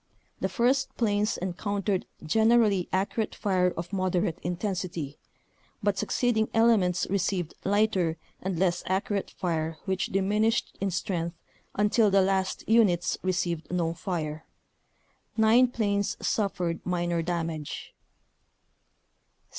The first planes en countered generally accurate fire of moderate intensity, but succeeding elements received lighter and less accurate fire which diminished in strength until the last units received no fire ; nine planes suffered minor damage.